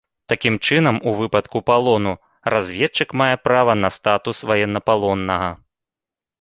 Такім чынам, у выпадку палону, разведчык мае права на статус ваеннапалоннага.